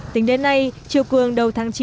tính đến nay chiều cường đầu tháng chín